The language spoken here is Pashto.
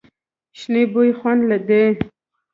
شنې بوی خوند دی.